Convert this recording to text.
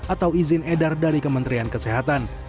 atau izin edar dari kementerian kesehatan